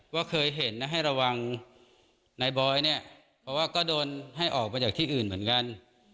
ว่าเคยเห็นนะให้ระวังนายบอยเนี่ยเพราะว่าก็โดนให้ออกไปจากที่อื่นเหมือนกัน